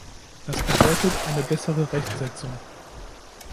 Das bedeutet eine bessere Rechtsetzung.